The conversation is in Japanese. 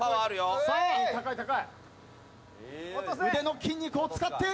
腕の筋肉を使って！